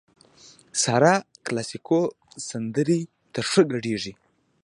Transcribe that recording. سارا کلاسيکو سندرو ته ښه ګډېږي.